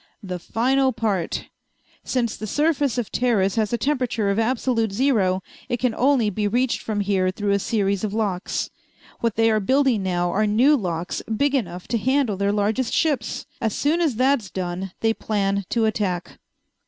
"The final part. Since the surface of Teris has a temperature of absolute zero it can only be reached from here through a series of locks. What they are building now are new locks big enough to handle their largest ships. As soon as that's done they plan to attack."